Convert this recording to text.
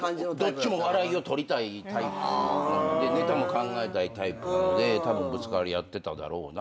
どっちも笑いを取りたいタイプなんでネタも考えたいタイプなんでぶつかり合ってただろうとは思う。